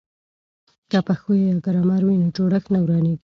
که پښویه یا ګرامر وي نو جوړښت نه ورانیږي.